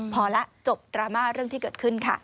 พอแล้วจบดราม่าเรื่องที่เกิดขึ้นค่ะ